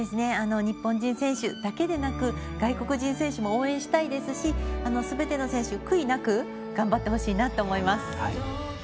日本人選手だけでなく外国人選手も応援したいですしすべての選手、悔いなく頑張ってほしいなと思います。